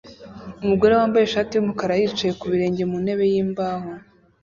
Umugore wambaye ishati yumukara yicaye ku birenge mu ntebe yimbaho